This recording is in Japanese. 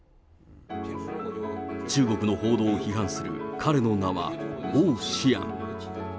中国の報道を批判する彼の名は、王志安。